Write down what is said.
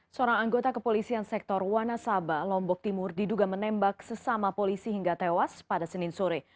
seorang anggota kepolisian sektor wanasaba lombok timur diduga menembak sesama polisi hingga tewas pada senin sore